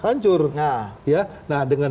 hancur nah dengan